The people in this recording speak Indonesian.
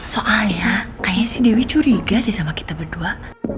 soalnya kayaknya sih dewi curiga deh sama kita berdua